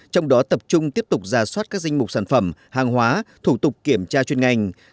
trong đó tập trung tiếp tục giả soát các danh mục sản phẩm hàng hóa thủ tục kiểm tra chuyên ngành